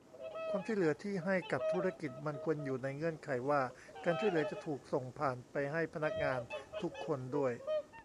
ความช่วยเหลือที่ให้กับธุรกิจมันควรอยู่ในเงื่อนไขว่า การช่วยเหลือจะถูกส่งผ่านไปให้พนักงานทุกคนด้วย